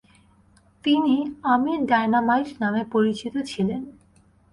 তিনি "আমির ডায়নামাইট" নামে পরিচিত ছিলেন।